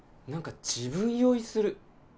何か自分酔いする。